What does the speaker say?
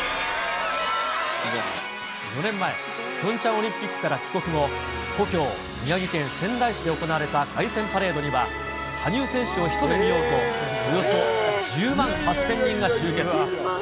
４年前、ピョンチャンオリンピックから帰国後、故郷、宮城県仙台市で行われた凱旋パレードには、羽生選手を一目見ようと、およそ１０万人８０００人が集結。